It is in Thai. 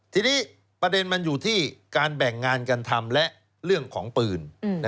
ทีนี้ประเด็นมันอยู่ที่การแบ่งงานกันทำและเรื่องของปืน